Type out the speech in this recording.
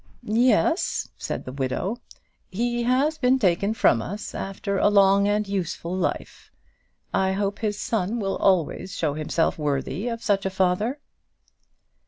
"Yes," said the widow, "he has been taken from us after a long and useful life. I hope his son will always show himself to be worthy of such a father."